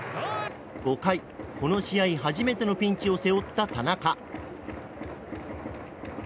５回、この試合初めてのピンチを背負った田中。